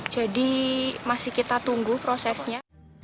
jadi masih kita tunggu prosesnya